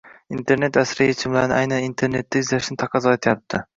Internet asri yechimlarni aynan internetda izlashni taqozo etyapti.